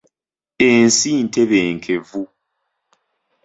Ensi ntebenkevu.